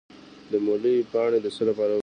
د مولی پاڼې د څه لپاره وکاروم؟